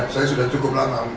saya sudah cukup lama